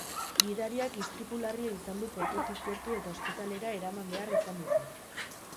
Gidariak istripu larria izan du portutik gertu eta ospitalera eraman behar izan dute.